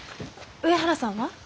上原さんは？